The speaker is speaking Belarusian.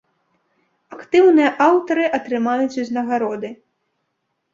Актыўныя аўтары атрымаюць узнагароды.